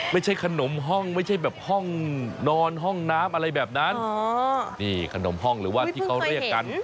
ไม่ใช่ขนมห้องไม่ใช่แบบห้องนอนห้องน้ำอะไรแบบนั้นนี่ขนมห้องหรือว่าที่เขาเรียกกัน